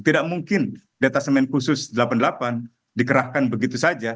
tidak mungkin detasemen khusus delapan puluh delapan dikerahkan begitu saja